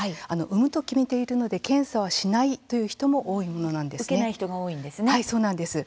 産むと決めているので検査はしないという人も受けない人が多いんですね。